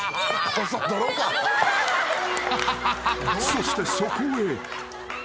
［そしてそこへ］